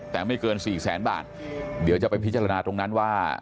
แต่ไม่เกิน๔แสนบาทเดี๋ยวจะไปพิจารณาตรงนั้นว่า